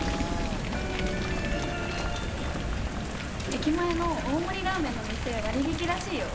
駅前の大盛りラーメンの店割引きらしいよ！